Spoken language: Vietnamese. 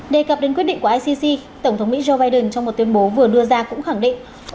đề cập đến quyết định của icc tổng thống mỹ joe biden trong một tuyên bố vừa đưa ra cũng khẳng định